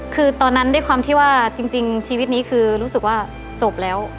คือตอนนั้นด้วยความที่ว่าจริงชีวิตนี้คือรู้สึกว่าจบแล้ว